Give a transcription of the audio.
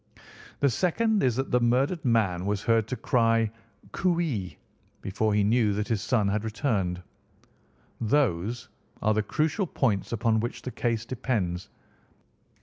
The second is that the murdered man was heard to cry 'Cooee!' before he knew that his son had returned. Those are the crucial points upon which the case depends.